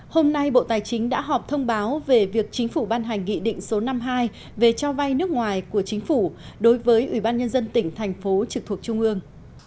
hôm nay bộ tài chính đã họp thông báo về việc chính phủ ban hành nghị định số năm mươi hai về cho vay nước ngoài của chính phủ đối với ủy ban nhân dân tỉnh thành phố trực thuộc trung ương